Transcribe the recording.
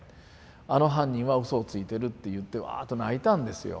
あの犯人はうそをついてるって言ってワーッと泣いたんですよ。